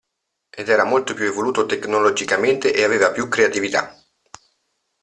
Ed era molto più evoluto tecnologicamente e aveva più creatività.